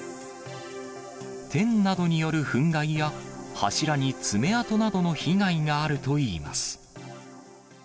テンなどによるふん害や、柱に爪痕などの被害があるといいます。